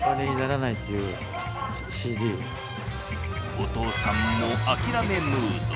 お父さんも諦めムード。